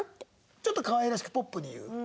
ちょっとかわいらしくポップに言う？